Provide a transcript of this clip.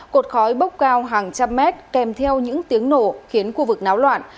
cột khói bốc cao hàng trăm mét kèm theo những tiếng nổ khiến khu vực náo loạn